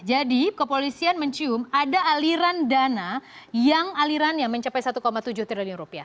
jadi kepolisian mencium ada aliran dana yang alirannya mencapai satu tujuh triliun rupiah